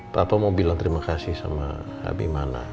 papa mau bilang terima kasih sama abimana